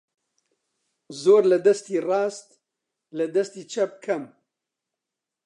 زۆر لە دەستی ڕاست لە دەستی چەپ کەم